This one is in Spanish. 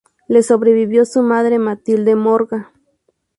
Le sobrevivió su madre Matilde Morga.